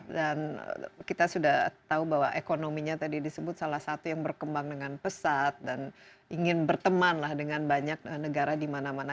dan kita sudah tahu bahwa ekonominya tadi disebut salah satu yang berkembang dengan pesat dan ingin berteman dengan banyak negara di mana mana